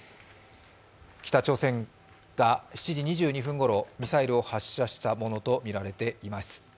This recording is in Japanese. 北朝鮮が７時２２分ごろミサイルを発射したものとみられています。